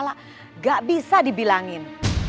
dia kepala gak bisa dibilangin